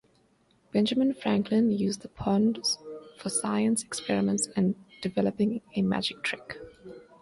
Benjamin Franklin used the ponds for science experiments, and developing a "magic" trick.